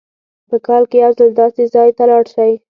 په کال کې یو ځل داسې ځای ته لاړ شئ.